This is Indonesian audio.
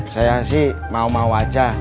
saya sih mau mau aja